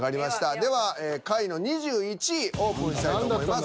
では下位の２１位オープンしたいと思います。